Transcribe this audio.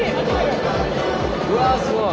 うわすごい！